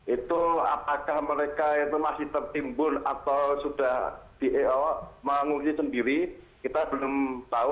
itu apakah mereka itu masih tertimbun atau sudah mengungsi sendiri kita belum tahu